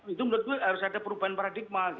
itu menurut gue harus ada perubahan paradigma